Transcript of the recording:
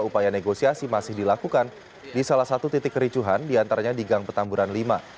upaya negosiasi masih dilakukan di salah satu titik kericuhan diantaranya di gang petamburan lima